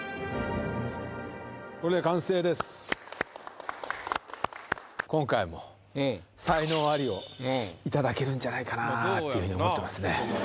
これで完成です。を頂けるんじゃないかなっていうふうに思ってますね。